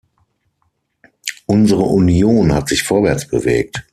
Unsere Union hat sich vorwärts bewegt.